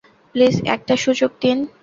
Please একটা সুযোগ দিন।